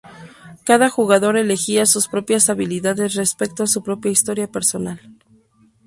Cada jugador elegía sus propias habilidades respecto a su propia historia personal.